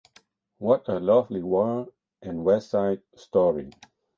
What a Lovely War" and "West Side Story".